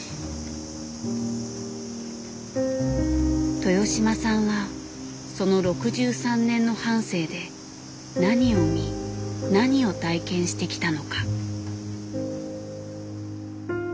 豊島さんはその６３年の半生で何を見何を体験してきたのか。